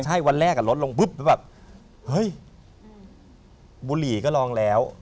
ใช่วันแรกลดลงปุ๊บแล้วแบบเฮ้ยบุหรี่ก็ลองแล้ว